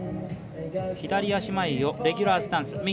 左足前をレギュラースタンス。